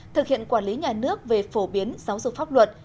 thực hiện quản lý nhà nước về phổ biến giáo dục pháp luật